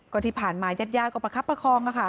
ก็ที่ผ่านมายัดก็ประคับประคองค่ะค่ะ